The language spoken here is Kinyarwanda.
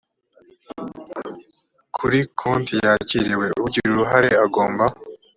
kuri konti yakiriwe ugira uruhare agomba